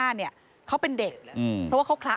มันมีโอกาสเกิดอุบัติเหตุได้นะครับ